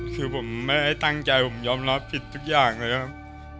คือผมไม่ได้ตั้งใจผมยอมรับผิดทุกอย่างเลยครับ